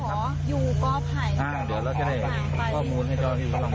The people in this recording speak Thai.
แล้วแม่กับพี่สาวก็แยกไปหาเจอมีดกับเสื้อของผู้ชายคนนั้น